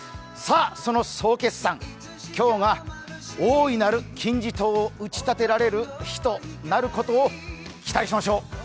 その総決算、今日が大いなる金字塔を打ち立てられる日となることを期待しましょう。